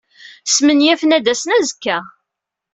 Smenyafen ad d-asen azekka.